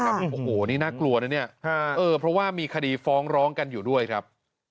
โอ้โหนี่น่ากลัวนะเนี่ยเพราะว่ามีคดีฟ้องร้องกันอยู่ด้วยครับ